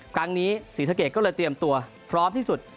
ครั้งนี้ศรีสะเกดก็เลยเตรียมตัวพร้อมที่สุด